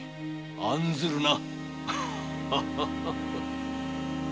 案ずるな。